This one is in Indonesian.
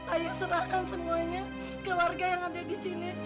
ayo serahkan semuanya ke warga yang ada di sini